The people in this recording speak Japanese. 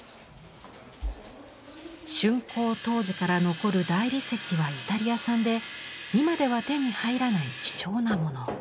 竣工当時から残る大理石はイタリア産で今では手に入らない貴重なもの。